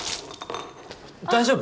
大丈夫？